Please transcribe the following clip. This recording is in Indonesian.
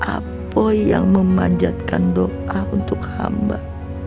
apa yang memanjatkan doa untuk hamba